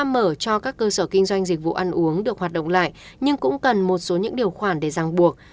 mở cho các cơ sở kinh doanh dịch vụ ăn uống được hoạt động lại nhưng cũng cần một số những điều khoản để ràng buộc